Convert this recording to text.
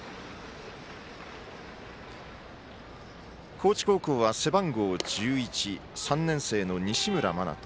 高知高校は背番号１１３年生の西村真人。